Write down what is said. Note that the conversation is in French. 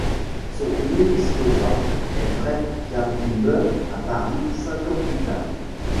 Son épiscopat est bref car il meurt à Paris cinq ans plus tard.